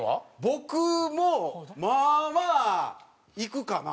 僕もまあまあ行くかな。